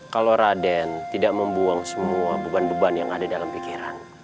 kalau raden tidak membuang semua beban beban yang ada dalam pikiran